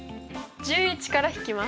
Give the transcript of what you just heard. １１から引きます！